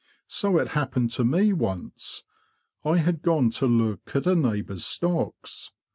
So it happened to me once. I had gone to look at a neighbour's stocks.